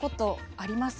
あります。